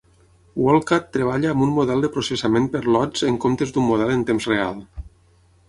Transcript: WorldCat treballa amb un model de processament per lots en comptes d'un model en temps real.